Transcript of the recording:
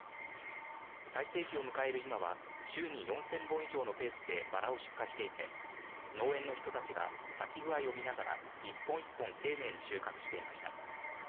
最盛期を迎える今は週に４０００本以上のペースでばらを出荷していて農園の人たちが咲き具合を見ながら一本一本丁寧に収穫していました。